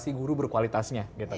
penetrasi guru berkualitasnya gitu kan